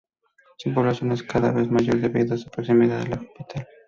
Su población es cada vez mayor debido a su proximidad a la capital.